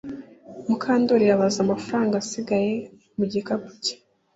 Mukandoli yabaze amafaranga asigaye mu gikapu cye